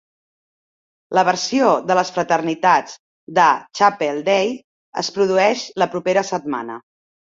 La versió de les fraternitats de Chapel Day es produeix la propera setmana.